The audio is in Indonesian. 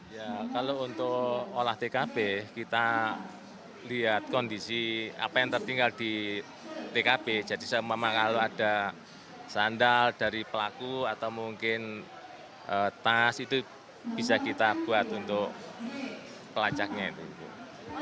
ya kalau untuk olah tkp kita lihat kondisi apa yang tertinggal di tkp jadi saya memang kalau ada sandal dari pelaku atau mungkin tas itu bisa kita buat untuk pelacaknya itu